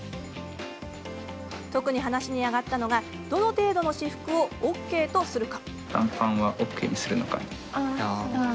特に話にあがったのがどの程度の私服をＯＫとするか。